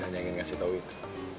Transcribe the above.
hanya ngekasih tau itu